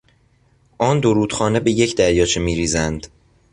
آن دو رودخانه به یک دریاچه میریزند.